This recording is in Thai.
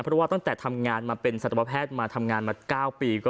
เพราะว่าตั้งแต่ทำงานมาเป็นสัตวแพทย์มาทำงานมา๙ปี